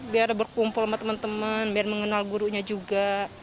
biar berkumpul sama teman teman biar mengenal gurunya juga